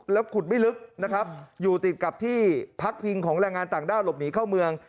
แล้วขุดไม่ลึกนะครับอยู่ติดกับที่พักพิงของแรงงานต่างด้าวหลบหนีเข้าเมือง